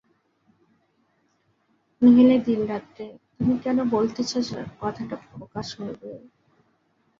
নহিলে দিন রাত্রি তুমি কেন বলিতেছ যে, কথাটা প্রকাশ হইবেই।